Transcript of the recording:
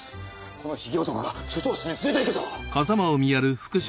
このヒゲ男が署長室に連れていけと。